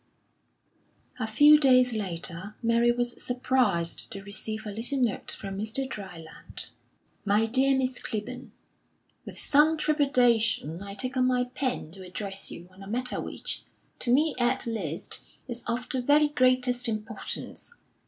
XV A Few days later Mary was surprised to receive a little note from Mr. Dryland: "MY DEAR MISS CLIBBORN, With some trepidation I take up my pen to address you on a matter which, to me at least, is of the very greatest importance.